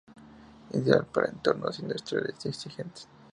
Ideal para entornos industriales exigentes.